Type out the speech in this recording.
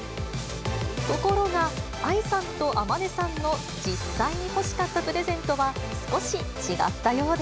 ところが、愛さんと天音さんの実際に欲しかったプレゼントは、少し違ったようで。